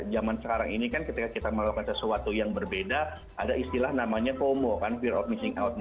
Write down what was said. zaman sekarang ini kan ketika kita melakukan sesuatu yang berbeda ada istilah namanya fomo kan fear of missing out